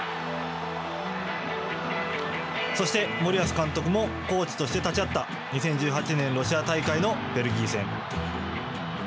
そして森保監督もコーチとして立ち会った２０１８年ロシア大会のベルギー戦。